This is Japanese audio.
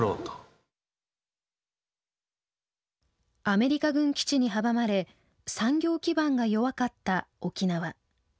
アメリカ軍基地に阻まれ産業基盤が弱かった沖縄。